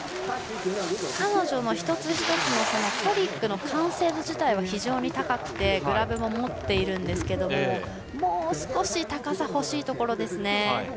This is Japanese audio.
彼女の一つ一つのトリックの完成度自体は非常に高くてグラブも持っているんですがもう少し高さ欲しいところですね。